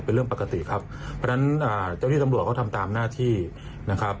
เป็นเรื่องปกติครับเพราะฉะนั้นเจ้าที่ตำรวจเขาทำตามหน้าที่นะครับ